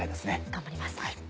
頑張ります。